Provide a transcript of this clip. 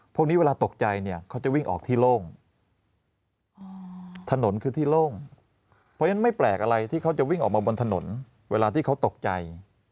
พวกนี้เวลาตกใจเนี่ยเขาจะวิ่งออกที่โล่งถนนคือที่โล่งเพราะฉะนั้นไม่แปลกอะไรที่เขาจะวิ่งออกมาบนถนนเวลาที่เขาตกใจ